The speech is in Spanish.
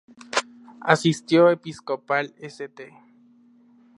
Asistió Episcopal St.